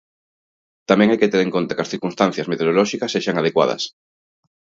Tamén hai que ter en conta que as circunstancias meteorolóxicas sexan adecuadas.